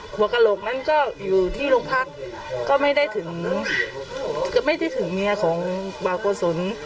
หัวกะโหลกนั้นก็อยู่ที่โรงพักษณ์ก็ไม่ได้ถึงเมียของบากโกศล